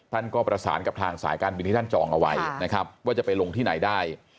ท่านก็ประสานกับทางสายการบินที่ท่านจองเอาไว้นะครับว่าจะไปลงที่ไหนได้